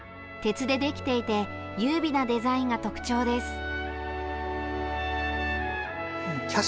鉄でできていて優美なデザインが特徴です。